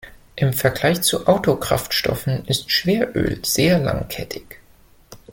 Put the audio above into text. Im Vergleich zu Autokraftstoffen ist Schweröl sehr langkettig.